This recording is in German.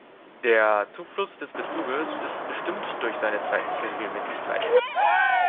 Der Zufluss des Bezuges ist bestimmt durch seine zeitliche Regelmäßigkeit.